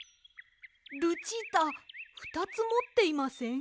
ルチータふたつもっていません？